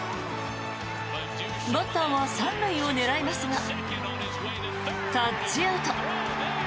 バッターは３塁を狙いますがタッチアウト。